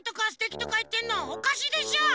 おかしいでしょ！？